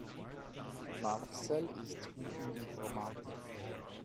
Marcel ist gut in Informatik.